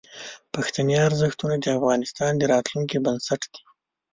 پښتني ارزښتونه د افغانستان د راتلونکي بنسټ دي.